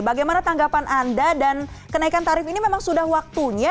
bagaimana tanggapan anda dan kenaikan tarif ini memang sudah waktunya